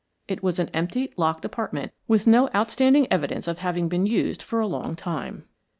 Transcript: It was an empty, locked apartment, with no outstanding evidence of having been used for a long time.